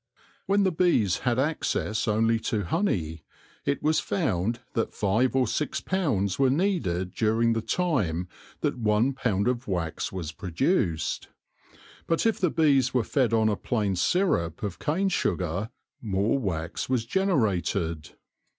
When the bees had access only to honey, it was found that five or six pounds were needed during the time that one pound of wax was produced. But if the bees were fed on a plain syrup of cane sugar, more wax was generated.